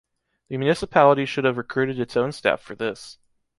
The municipality should have recruited its own staff for this.